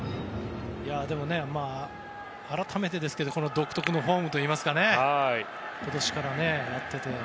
でも改めてですけど独特のフォームといいますか今年からやっていて。